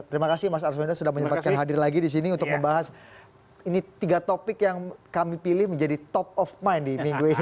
terima kasih mas arswendo sudah menyempatkan hadir lagi di sini untuk membahas ini tiga topik yang kami pilih menjadi top of mind di minggu ini